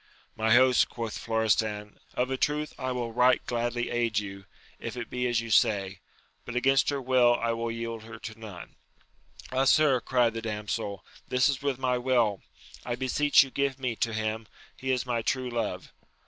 My host, quoth Florestan, of a truth I wiU right gladly aid you, if it be as you say ; but against her will I will yield her to none. Ah, sir, cried the damsel, this is with my will ! I beseech you give me to him : he is my true love.